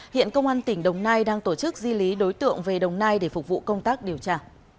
hiện công an tỉnh đồng nai đang tổ chức di lý đối tượng về đồng nai để phục vụ công tác điều tra